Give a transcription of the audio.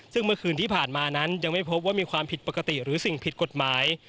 ซึ่งเมื่อคืนที่ผ่านมานั้นยังไม่พบว่ามีความผิดปกติหรือสิ่งผิดกฎหมาย